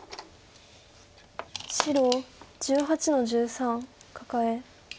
白１８の十三カカエ。